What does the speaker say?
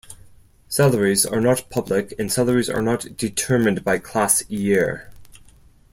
Salaries are not public and salaries are not determined by class-year.